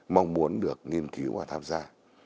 mong muốn được nghiên cứu và tham gia